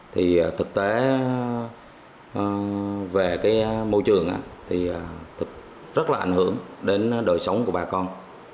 thì thực tế về cái môi trường thì rất là ảnh hưởng đến đời sống của bà con